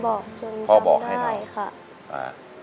พ่อมีคนบอกจนทำได้ค่ะ